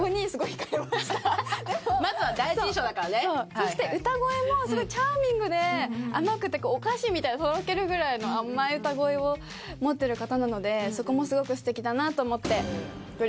そして歌声もすごいチャーミングで甘くてこうお菓子みたいなとろけるぐらいの甘い歌声を持ってる方なのでそこもすごく素敵だなと思って。